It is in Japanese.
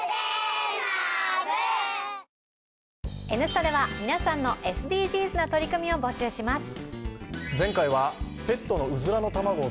「Ｎスタ」では皆さんのＳＤＧｓな取り組みを募集します。